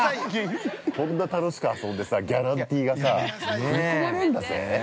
こんな楽しく遊んでさギャランティーがさ。振り込まれんだぜ。